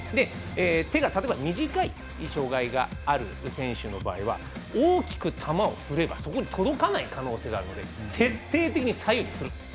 手が短い障がいがある選手の場合は大きく振ればそこに届かない可能性があるので徹底的に左右に振る。